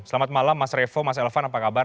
selamat malam mas revo mas elvan apa kabar